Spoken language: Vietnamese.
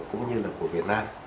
cũng như là của việt nam